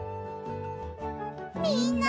みんな！